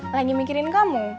lagi mikirin kamu